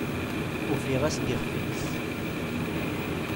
Ufiɣ-as-d iɣef-is!